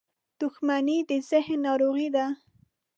• دښمني د ذهن ناروغي ده.